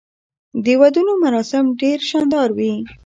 د ودونو مراسم ډیر شاندار وي.